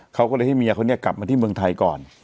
เขาก็เลยให้เมียเขากลับมาที่เมืองไทยก่อน